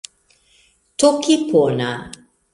tokipona